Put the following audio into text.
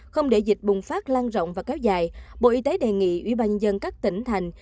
không để dịch bùng phát lan rộng và kéo dài bộ y tế đề nghị ubnd các tỉnh thành